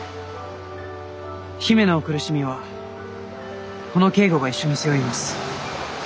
姫のお苦しみはこの京吾が一緒に背負います。